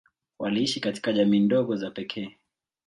Waliishi katika jamii ndogo za pekee.